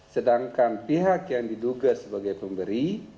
sedangkan pihak yang diduga sebagai pemberi